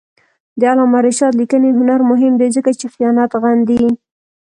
د علامه رشاد لیکنی هنر مهم دی ځکه چې خیانت غندي.